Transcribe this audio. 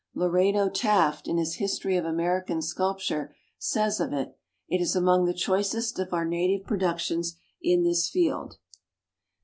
Lorado Taft in his "History of American Sculpture" says of it: "It is among the choicest of our native productions in this field."